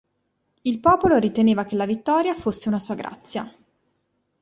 Il popolo riteneva che la vittoria fosse una sua grazia.